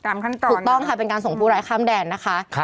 ตามขั้นตอนเนี่ยค่ะถูกต้องค่ะเป็นการส่งลูรายข้ำแดนนะคะ